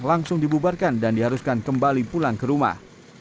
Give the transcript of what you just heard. langsung dibubarkan dan diharuskan kembali pulang ke rumah